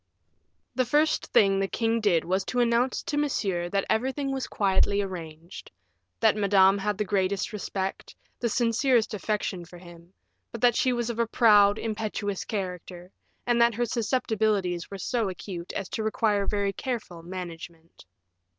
The first thing the king did was to announce to Monsieur that everything was quietly arranged; that Madame had the greatest respect, the sincerest affection for him; but that she was of a proud, impetuous character, and that her susceptibilities were so acute as to require very careful management.